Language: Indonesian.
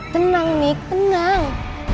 tenang nik tenang